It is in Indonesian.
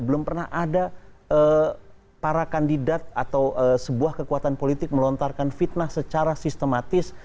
belum pernah ada para kandidat atau sebuah kekuatan politik melontarkan fitnah secara sistematis